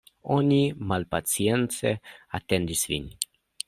Oni malpacience atendis vin.